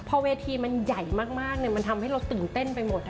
พอเวทีมันใหญ่มากมันทำให้เราตื่นเต้นไปหมด